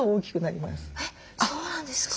えっそうなんですか？